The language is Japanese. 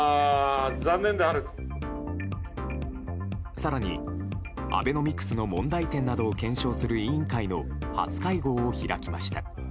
更に、アベノミクスの問題点などを検証する委員会の初会合を開きました。